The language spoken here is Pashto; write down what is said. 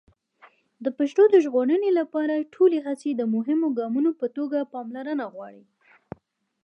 د پښتو د ژغورنې لپاره ټولې هڅې د مهمو ګامونو په توګه پاملرنه غواړي.